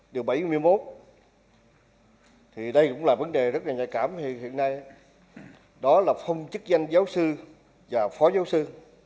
điều bảy mươi một thì đây cũng là vấn đề rất là nhạy cảm hiện nay đó là phong chức danh giáo sư và phó giáo sư